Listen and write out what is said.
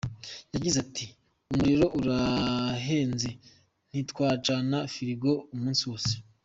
Yagize ati “Umuriro urahenze ntitwacana firigo umunsi wose.